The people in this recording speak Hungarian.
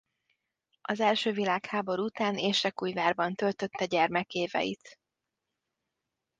Az első világháború után Érsekújvárban töltötte gyermekéveit.